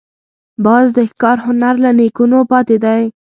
باز د ښکار هنر له نیکونو پاتې دی